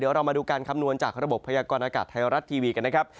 เรามาดูการคำนวณจากระบบพยากรณากาศไทยรัฐทีวีกันนะครับ